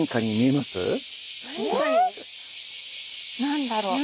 え⁉何だろう？